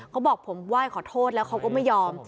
เขาบอกผมไหว้ขอโทษแล้วเขาก็ไม่ยอม